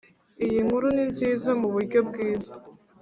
iyinkuru ninziza muburyo bwiza